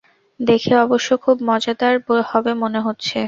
দেখে অবশ্য খুব মজাদার হবে মনেহচ্ছে।